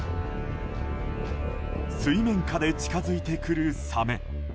水面下で近づいてくるサメ。